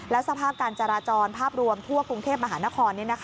สภาพการจราจรภาพรวมทั่วกรุงเทพมหานคร